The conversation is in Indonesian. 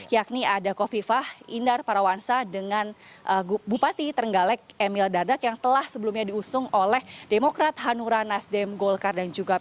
yakni ada kofifah indar parawansa dengan bupati terenggalek emil dardak yang telah sebelumnya diusung oleh demokrat hanura nasdem golkar dan juga p tiga